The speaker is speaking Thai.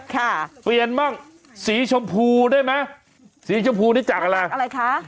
ค่ะเปลี่ยนบ้างสีชมพูได้ไหมสีชมพูนี่จากอะไรอะไรคะ